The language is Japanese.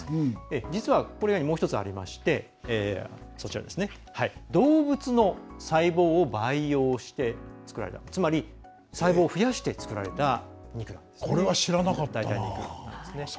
実はこれ、もう１つありまして動物の細胞を培養して作られた、つまり細胞を増やして作られた肉なんですね。